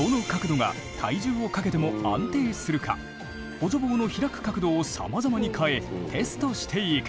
補助棒の開く角度をさまざまに変えテストしていく。